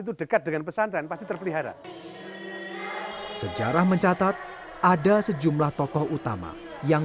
itu dekat dengan pesantren pasti terpelihara sejarah mencatat ada sejumlah tokoh utama yang